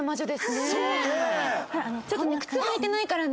ちょっとね靴履いてないからね。